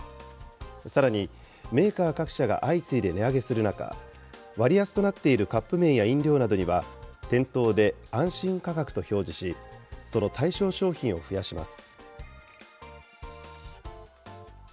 さらにメーカー各社が相次いで値上げする中、割安となっているカップ麺や飲料などには、店頭で安心価格と表示し、その対象商品を増やします。